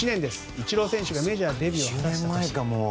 イチロー選手がメジャーデビューを果たした年。